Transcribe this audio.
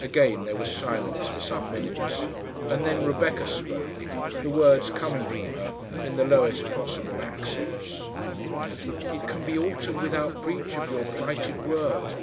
Again there was silence for some minutes, and then Rebecca spoke the words coming from her in the lowest possible accents. "It can be altered without breach of your plighted word.